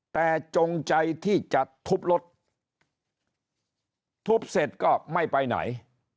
แต่จงใจที่จะทุบรถทุบเสร็จก็ไม่ไปไหน